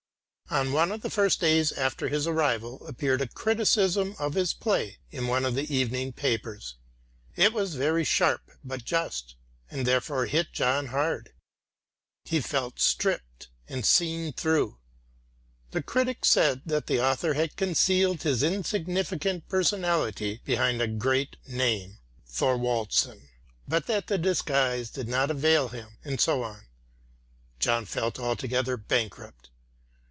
On one of the first days after his arrival appeared a criticism of his play in one of the evening papers. It was very sharp but just, and therefore hit John hard. He felt stripped and seen through. The critic said that the author had concealed his insignificant personality behind a great name Thorwaldsen but that the disguise did not avail him and so on. John felt altogether bankrupt.